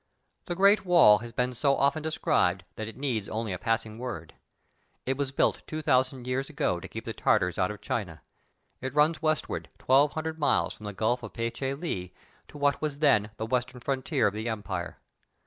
The great wall has been so often described that it needs only a passing word. It was built two thousand years ago to keep the Tartars out of China; it runs westward twelve hundred miles from the Gulf of Pe Che Lee to what was then the western frontier of the empire.